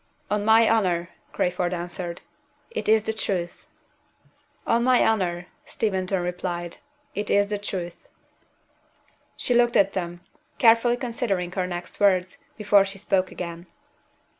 "On my honor," Crayford answered, "it is the truth." "On my honor," Steventon repeated, "it is the truth." She looked at them, carefully considering her next words, before she spoke again.